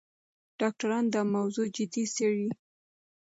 ډاکټران دا موضوع جدي څېړي.